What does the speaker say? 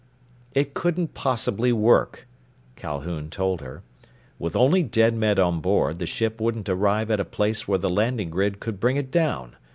"It couldn't possibly work," Calhoun told her. "With only dead men on board, the ship wouldn't arrive at a place where the landing grid could bring it down.